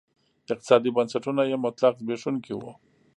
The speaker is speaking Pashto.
اقتصادي بنسټونه یې مطلق زبېښونکي وو.